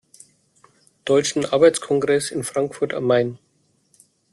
Deutschen Arbeiterkongress" in Frankfurt am Main.